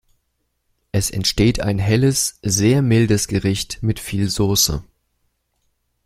Es entsteht ein helles, sehr mildes Gericht mit viel Sauce.